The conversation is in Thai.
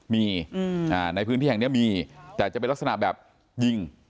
มีในพื้นที่แห่งนี้มีแต่จะเป็นลักษณะแบบยิง